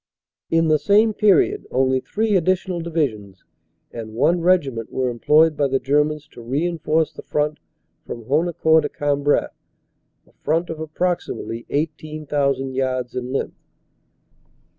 "In the same period only three additional Divisions and one Regiment were employed by the Germans to reinforce the front from Honnecourt to Cambrai, a front of approximately 18,000 yards in length.